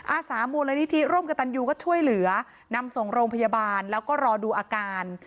อาสามูลนิธิร่วมกับตันยูก็ช่วยเหลือนำส่งโรงพยาบาลแล้วก็รอดูอาการ